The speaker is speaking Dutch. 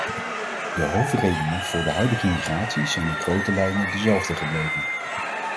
De hoofdredenen voor de huidige migratie zijn in grote lijnen dezelfde gebleven.